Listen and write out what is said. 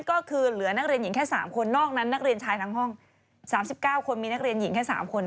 ก็คือเหลือนักเรียนหญิงแค่๓คนนอกนั้นนักเรียนชายทั้งห้อง๓๙คนมีนักเรียนหญิงแค่๓คน